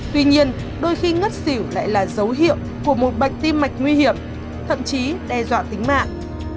tuy nhiên đôi khi ngất xỉu lại là dấu hiệu của một bệnh tim mạch nguy hiểm thậm chí đe dọa tính mạng